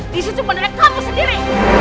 di situ benar benar kamu sendiri